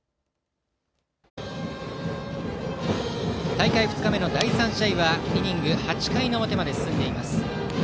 大会２日目の第３試合はイニング８回の表まで進んでいます。